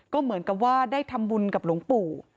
ก็เหมือนกับว่าได้ทำบุญกับหลวงปู่